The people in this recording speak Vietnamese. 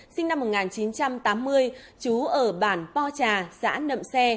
sinh năm một nghìn chín trăm tám mươi chú ở bản po trà xã nậm xe